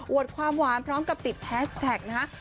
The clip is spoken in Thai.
โวดความว้ำพร้อมกับติดแพสต์แท็กนะครับ